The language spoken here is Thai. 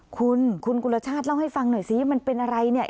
คุณคุณกุลชาติเล่าให้ฟังหน่อยซิมันเป็นอะไรเนี่ย